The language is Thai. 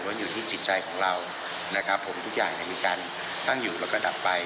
อยู่ที่จิตใจของเรานะครับผมทุกอย่างมีการตั้งอยู่แล้วก็ดับไป